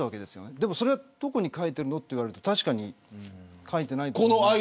でも、それはどこに書いてあるのと言われると確かに書いてないかもしれない。